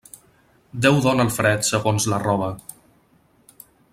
Déu dóna el fred segons la roba.